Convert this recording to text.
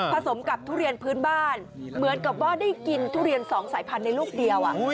สมกับทุเรียนพื้นบ้านเหมือนกับว่าได้กินทุเรียน๒สายพันธุ์ในลูกเดียว